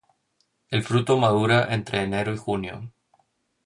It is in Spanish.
El fruto madura entre enero y junio.